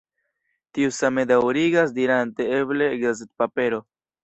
Tiu same daürigas dirante eble gazetpapero.